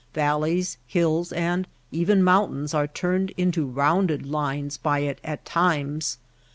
Valleys, hills, and even mountains are turned into rounded lines by it at times.